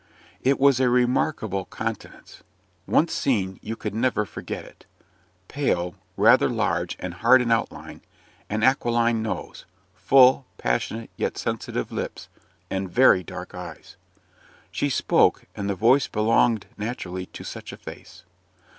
It was a remarkable countenance; once seen, you could never forget it. Pale, rather large and hard in outline, an aquiline nose full, passionate, yet sensitive lips and very dark eyes. She spoke, and the voice belonged naturally to such a face.